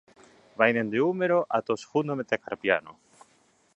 Vai dende o úmero ata o segundo metacarpiano.